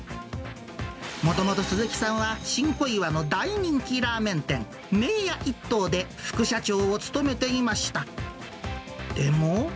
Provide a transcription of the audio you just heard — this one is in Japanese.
もともと鈴木さんは、新小岩の大人気ラーメン店、麺屋一燈で副社長を務めていました。